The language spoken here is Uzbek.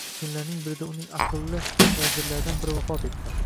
Kunlarning birida uning aqlli vazirlaridan biri vafot etdi